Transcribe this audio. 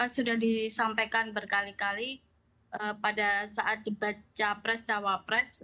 sudah disampaikan berkali kali pada saat dibaca pres cawa pres